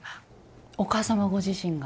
お母様ご自身が。